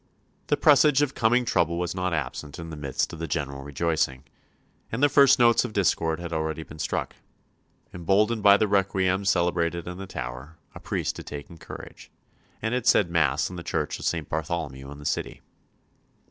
The presage of coming trouble was not absent in the midst of the general rejoicing, and the first notes of discord had already been struck. Emboldened by the Requiem celebrated in the Tower, a priest had taken courage, and had said Mass in the Church of St. Bartholomew in the City.